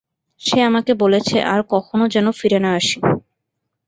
সে আমাকে বলেছে আর কখনো যেন ফিরে না আসি।